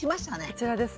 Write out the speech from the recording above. こちらですね。